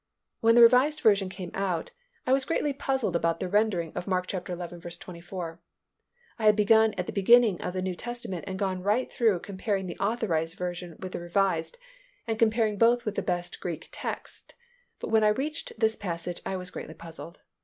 When the Revised Version came out, I was greatly puzzled about the rendering of Mark xi. 24. I had begun at the beginning of the New Testament and gone right through comparing the Authorized Version with the Revised and comparing both with the best Greek text, but when I reached this passage, I was greatly puzzled.